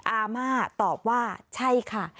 อาม่าตอบว่าใช่ค่ะ